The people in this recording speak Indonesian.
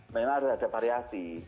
memang harus ada variasi